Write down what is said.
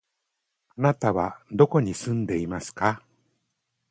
あなたはどこに住んでいますか？